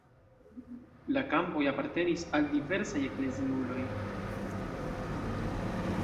La kampoj apartenis al diversaj ekleziuloj.